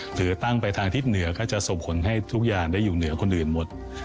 หรือตั้งไปทางทิศเหนือก็จะส่งผลให้ทุกอย่างได้อยู่เหนือคนอื่นหมด